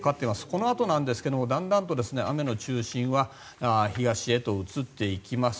このあとなんですがだんだんと雨の中心は東へと移っていきます。